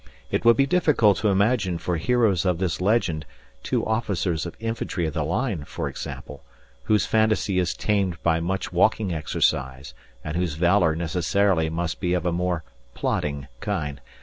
It would be difficult to imagine for heroes of this legend two officers of infantry of the line, for example, whose fantasy is tamed by much walking exercise and whose valour necessarily must be of a more plodding kind.